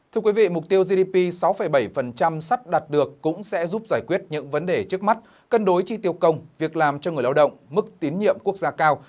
thưa quý vị mục tiêu gdp sáu bảy sắp đặt được cũng sẽ giúp giải quyết những vấn đề trước mắt cân đối chi tiêu công việc làm cho người lao động mức tín nhiệm quốc gia cao